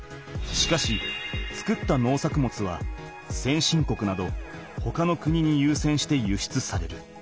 しかし作った農作物は先進国などほかの国にゆうせんして輸出される。